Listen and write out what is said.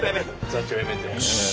座長辞めて。